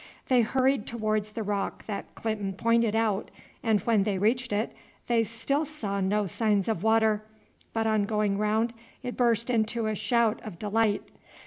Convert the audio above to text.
They hurried towards the rock that Clinton pointed out, and when they reached it they still saw no signs of water, but on going round it burst into a shout of delight.